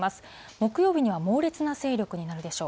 木曜日には猛烈な勢力になるでしょう。